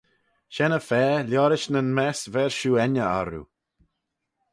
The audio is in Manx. Shen-y-fa liorish nyn mess ver shiu enney orroo.